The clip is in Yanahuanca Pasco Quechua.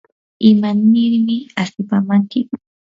¿imanirmi asipamanki?